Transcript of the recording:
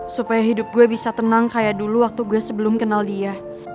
supaya hidup gue bisa tenang kayak dulu waktu gue sebelum kenal dia